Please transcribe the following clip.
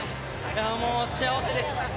もう、幸せです。